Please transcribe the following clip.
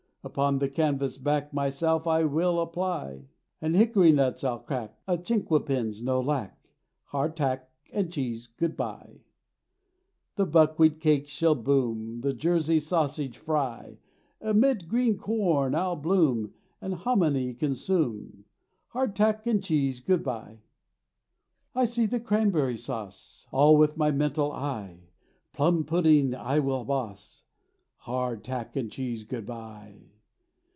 Unto the canvas back Myself I will apply, And hickory nuts I'll crack; Of chinquapins no lack; Hard tack and cheese, good bye! The buckwheat cake shall boom, The Jersey sausage fry; Amid green corn I'll bloom, And hominy consume; Hard tack and cheese, good bye! I see the cranberry sauce, All with my mental eye; Plum pudding I will boss; Hard tack and cheese, good bye!